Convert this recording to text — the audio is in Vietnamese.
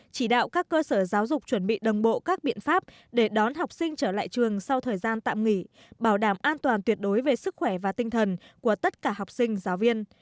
chỉ đạo các cơ sở giáo dục chuẩn bị đồng bộ các biện pháp để đón học sinh trở lại trường sau thời gian tạm nghỉ bảo đảm an toàn tuyệt đối về sức khỏe và tinh thần của tất cả học sinh giáo viên